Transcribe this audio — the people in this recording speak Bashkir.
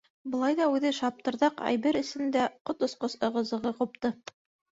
Былай ҙа үҙе шаптырҙаҡ әйбер эсендә ҡот осҡос ығы-зығы ҡупты.